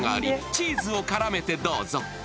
チーズを絡めてどうぞ。